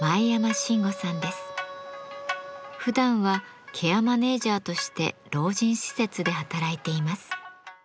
ふだんはケアマネージャーとして老人施設で働いています。